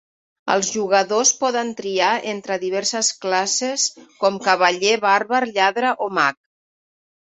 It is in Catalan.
Els jugadors poden triar entre diverses classes com cavaller, bàrbar, lladre o mag.